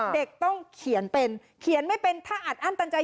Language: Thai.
เด็กต้องเขียนเป็นเขียนไม่เป็นถ้าอัดอั้นตันใจ